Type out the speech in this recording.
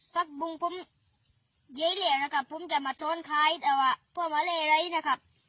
ปักบุงผมเย้เหลี่ยวนะครับผมจะมาโทนคล้ายแต่ว่าพวกมันเละเลยนะครับ